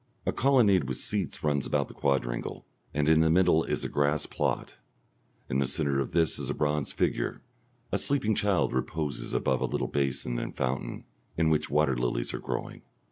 A colonnade with seats runs about the quadrangle, and in the middle is a grass plot. In the centre of this a bronze figure, a sleeping child, reposes above a little basin and fountain, in which water lilies are growing.